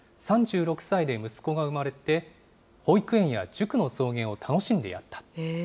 ３６歳で息子が生まれて、保育園や塾の送迎を楽しんでやった。